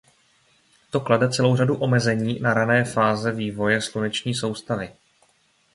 To klade celou řadu omezení na rané fáze vývoje sluneční soustavy.